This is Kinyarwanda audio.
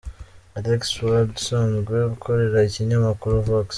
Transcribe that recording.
Alex Ward usanzwe akorera Ikinyamakuru Vox.